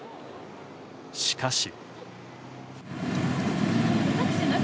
しかし。